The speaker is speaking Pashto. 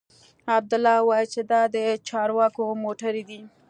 عبدالله وويل چې دا د چارواکو موټرې دي.